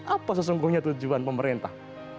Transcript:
apa sesungguhnya tujuan pemerintah